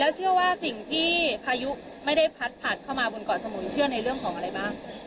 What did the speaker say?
เชื่อว่าสิ่งที่พายุไม่ได้พัดผลัดเข้ามาบนเกาะสมุยเชื่อในเรื่องของอะไรบ้าง